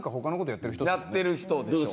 やってる人ですよ。